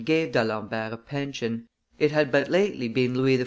gave D'Alembert a pension; it had but lately been Louis XIV.